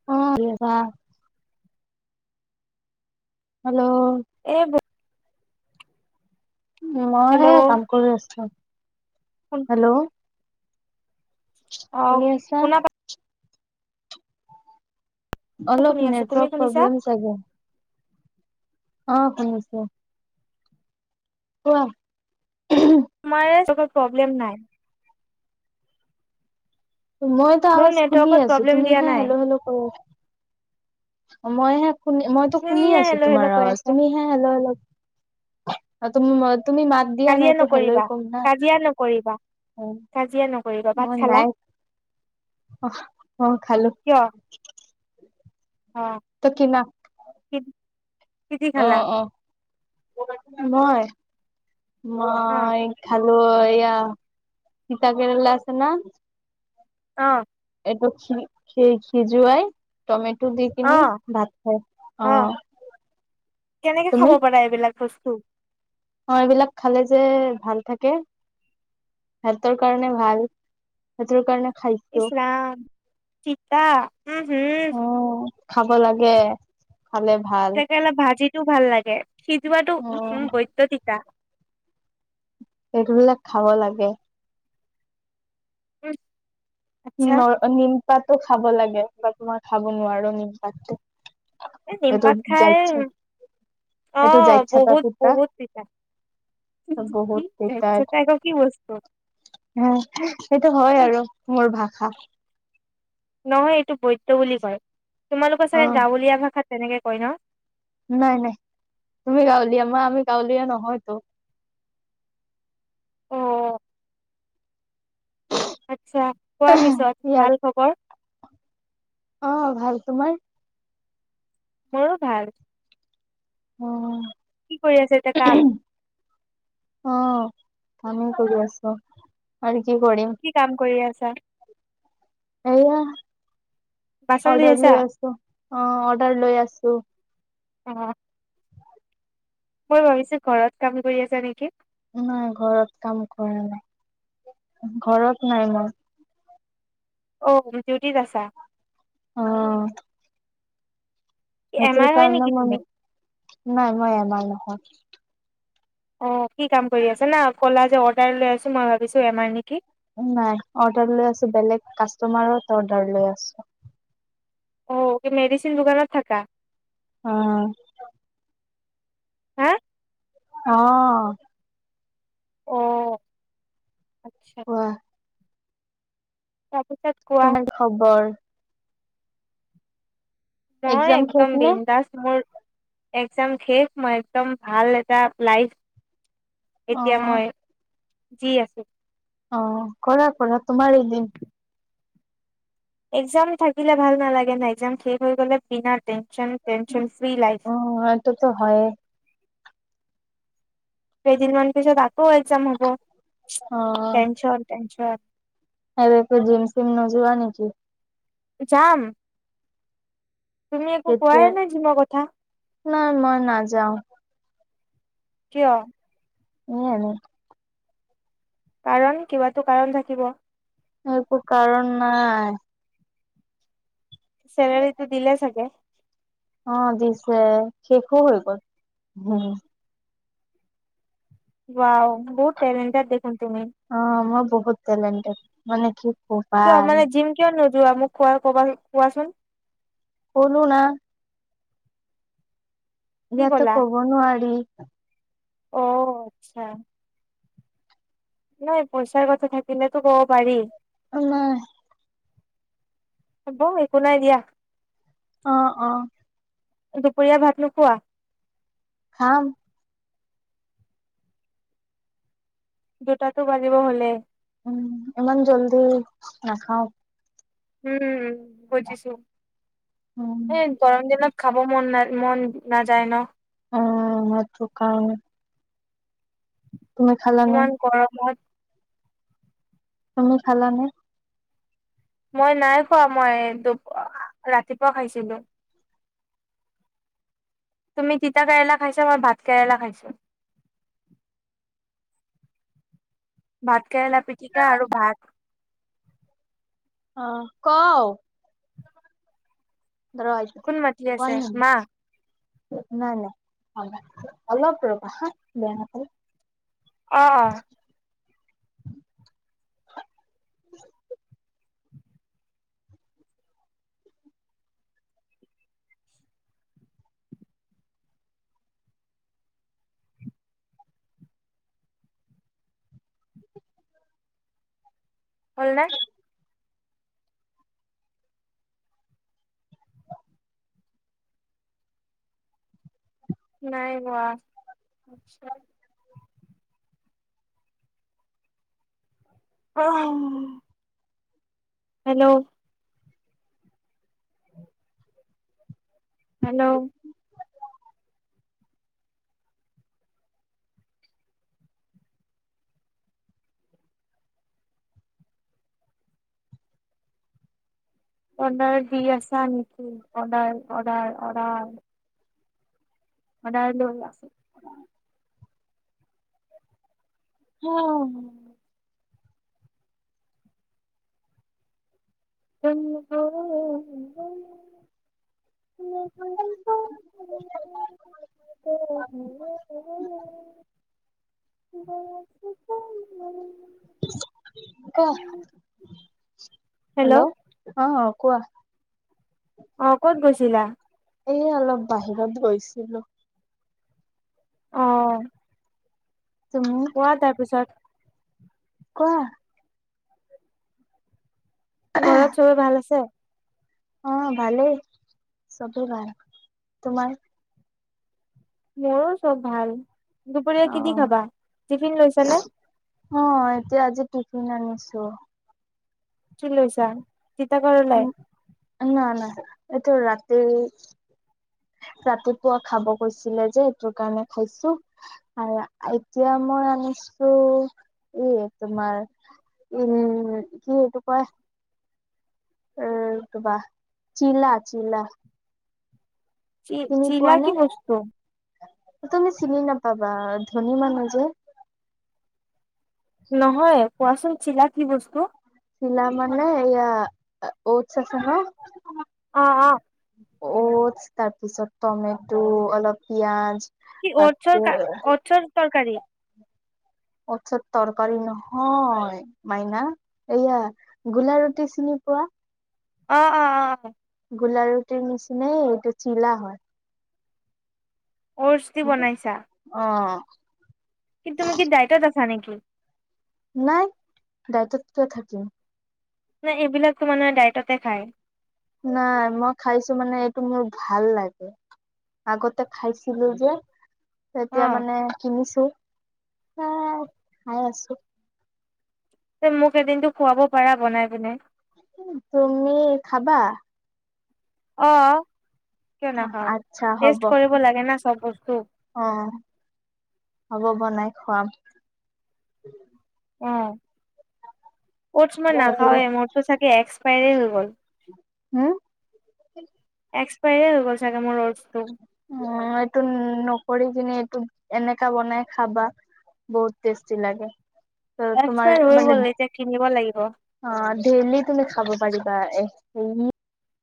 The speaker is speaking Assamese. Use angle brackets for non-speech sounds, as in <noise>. <unintelligible> হেল্লো' এই মই এই কাম কৰি আছোঁ হেল্লো' শুনি আছা? শুনা পা অলপ শুনি আছো তুমি নেটৱৰ্ক শুনিছা প্ৰব্লেম চাগে। অহ শুনিছোঁ। কোৱা। তোমাৰেটো প্ৰব্লেম নাই। মইতো মোৰ আৱাজ শুনি নেটৱৰ্কত আছোঁ প্ৰব্লেম দিয়া তুমিহে নাই হেলো হেলো কৰি আছা। মইহে শুনি মইতো শুনি তুমিহে আছোঁ হেল্ল' হেল্ল' তোমাৰ কৈ আৱাজ আছা তুমিহে হে হেল্ল' হেল্লো' তুমি তুমি মাত দিয়া নাই তো হেল্লোই ক'ম না কিয়া নকৰিবা। কাজিয়া নকৰিবা ভাত উম খালা নাই অহ অহ খালো। অহ তো কিনা কি দি খালা অহ অহ মই অ মই খালো অ এইয়া তিতা কেৰেলা আছে না অহ এইটো খি খিজুৱাই টমেটো দি অ কিনি ভাত খায়ছো অ অহ কেনেকে খাব পাৰা এইবিলাক বস্তু। অ এইবিলাক খালে যে ভাল থাকে। স্বাস্থ্যৰ কাৰণে ভাল সেইতৰ কাৰণে খাই ইছ ৰাম তিতা উম হুম। উম খাব লাগে খালে ভাল। তিতা কেৰেলা ভাজিটো ভাল লাগে সিজোৱাতো উম হুম বৈদ্য তিতা। এইবিলাক খাব লাগে। উম আচ্ছা নৰ নিমপাতো খাব লাগে বাত মই খাব নোৱাৰোঁ নিমপাতটো। এই এইটো নিমপাত যাৰ খাই ইচ্ছা। সেইটো অ', যাইছা বহুত তাৰপা বহুত পিঠা বহুত তিতা তাৰপিছতে এইটো আকৌ কি বস্তু হা সেইটো হয় আৰু মোৰ ভাষা নহয় এইটো বৈদ্য বুলি কয় তোমালোকৰ অ চাগে গাঁৱলীয়া ভাষাত তেনেকে কয় ন নাই নাই তুমি গাঁৱলীয়া আমি গাঁৱলীয়া নহয়তো। অ', আচ্ছা কোৱা পিছত ভাল খবৰ। অহ ভাল তোমাৰ। মোৰো ভাল। অ কি কৰি আছা এতিয়া কাম। অ কাম কৰি আছো আৰু কি কৰিম। কি কাম কৰি আছা। এয়া বাচন ধুই অৰ্ডাৰ আছা? লৈ আছো অ অৰ্ডাৰ লৈ আছো। অ। মই ভাবিছো ঘৰত কাম কৰি আছা নেকি। উম ঘৰত কাম কৰে নাই ঘৰত নাই মই। অঔ ডিউটিত আছা। অ। হেত এম আৰ কাৰ হয় ন নেকি ম তুমি? নাই মই এমানাৰ নহও। অ কি কাম কৰি আছছে না ক'লা যে অৰ্ডাৰ লৈ আছো মই ভাবিছো এমাৰ নেকি। নাই অৰ্ডাৰ লৈ আছো বেলেগ কাষ্টমাৰত অৰ্ডাৰ লৈ আছো। অ কি মেডিচিন দোকানত থাকা। অ। হা। অ। অ আচ্ছা। ৱাহ। কাটি কাত। তোমাৰ খবৰ। মই এক্জাম শেষ একদম বি নে দাস মোৰ। এক্জাম শেষ মই একদম ভাল এটা লাইফ অ এতিয়া মই। যি আছে। অ কৰা কৰা তোমাৰ এদিন। একজাম থাকিলে ভাল নালাগে ন একজাম শেষ হৈ গ'লে বিনা টেনচন টেনচন ফ্ৰী লাইফ। অ এইটোতো হয়। কেইদিনমান পিছত আকৌ এক্সাম হব টেনশন টেনশন। এ একো জিম চিম নো যোৱা নেকি। যাম। তুমি একো কোৱাই নাই জিমৰ কথা। নাই মই নাযাওঁ। কিয়। উম এনে। কাৰণ কিবাতো কাৰণ থাকিব। সেইটো কাৰণ নাই। ছেনদেল চিগিলে ছাকে। অ দিছে শেষো হৈ গ'ল ভুং। বোৱাও বহুত ণ্টেলেনটেট দেখুন তুমি। অ মই বহুত লেণ্টেড মানে কি? কিয় মানে জিম কিয় নোযোৱা মোক খোৱা কবা কোৱাচোন। শ'নো না। কি এতিয়াতো ক'লা ক'ব নোৱাৰি- অ আচ্ছা- নাই পইচাৰ কথা থাকিলেতো কব পাৰি- অম- হব একো নাই দিয়া- অ অ- দুপৰীয়া ভাত নোখোৱা- খাম - দুটাতো বাজিব হ'লে- উম ইমান জল্দি নাখাও- উম বুজিছো উম এ- গৰম দিনত খাব মন ন মন নাযায় ন। যিটো খাওঁ। খালানে ইমান গৰমত। তুমি খালানে? মই নাই খোৱা মই দু ৰাতিপুৱা খাইছিলো। তুমি তিতা কেৰেলা খাইছা মই ভাত কেৰেলা খাইছোঁ। ভাত কেৰেলা পিটিকা আৰু ভাত। অ', ক। কোন মাতি আছে মা <unintelligible> নাই নাই অলপ ৰবা হা বেয়া নাপালে। অহ। হ'লনে। নাই হোৱা। অহ উম। হেল্ল। হেল্ল। অদাৰ দি আছা নেকি অদাৰ অদাৰ অদাৰ। <unintelligible> উম।। উম। <unintelligible> কোৱা হেল্ল অ', কোৱা। অ', ক'ত গৈছিলা। এ অলপ বাহিৰত গৈছিলো। অ'। তুমি কোৱা তাৰ পিছত। কোৱা। ঘৰত চবে ভাল আছে। অ', ভালেই চবেই ভালে তোমাৰ। মোৰো চব ভাল অ দুপৰীয়া কি দি খাবা টিফিন লৈছা নে। অ', এতিয়া আজি টিফিন আনিছো। কি লৈছা তিতা কৰেলাই। না না না এইটো ৰাতি ৰাতিপুৱা খাব কৈছিলে যে এইটো কাৰণে খাইছো। আৰু এতিয়া মই আনিছোঁ ই তোমাৰ উম' কি এইটো কয়? উম' তোমাৰ চিলা চিলা। চি চিনি চিলা পোৱা কি নে? বস্তু? তুমি চিনি নাপাবা, ধনী মানুহ যে। নহয় কোৱাচোন চিলা কি বস্তু? চিলা মানে এইয়া অটচ আছে ন অ', অ'। অটছ তাৰপিছত টমেটো অলপ পিয়াজ কি অটছৰ বাকী কা অটছৰ তৰকাৰী। অটছৰ তৰকাৰী নহয় মাইনা এইয়া গোলা ৰুটি চিনি পোৱা? অ'। অ অ গোলা ৰুটিৰ নিচিনাই এইটো চিলা হয়। অটছত কি বনাইছা? অ'। এ তুমি কি ডাইতত আছা নেকি? নাই ডাইতত কিয় থাকিম। না এইবিলাকতো মানে ডায়েটতে খায়। নাই মই খাইছোঁ মানে এইটো মোৰ ভাল লাগে। আগতে খাইছিলোঁ যে। অ এতিয়া মানে কিনিছো, আহ খাই আছোঁ। মোক এদিনটো খুৱাব পাৰা বনাই কিনে। তুমি খাবা? অ' কিয় অ' নাখাওঁ, আচ্ছা হ'ব টেষ্ট কৰিব লাগে না চব বস্তু। অ' হ'ব বনাই খুৱাম। অ' অ'টচ মই নাখাওঁ এ, মোৰটো চাগে এক্সপায়াৰ হৈ গ'ল। উম' এক্সপাইৰে হৈ গ'ল চাগে মোৰ অ'টচটো। উম' এইটো নকৰি কিনে, এইটো এনেকা বনাই খাবা। বহুত টেষ্টি লাগে। ত' তোমাৰ এক্সপায়াৰ হৈ মানে গ'ল এতিয়া কিনিব লাগিব। অ' ডেইেলি তুমি খাব পাৰিবা। এক চেনি